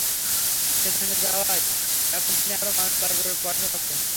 সেতু ভেঙে যাওয়ায় এখন তিনি আবারও মানুষ পার করে পয়সা পাচ্ছেন।